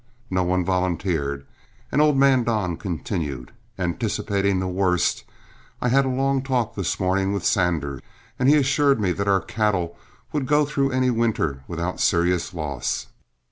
No one volunteered, and old man Don continued: "Anticipating the worst, I had a long talk this morning with Sanders, and he assured me that our cattle would go through any winter without serious loss.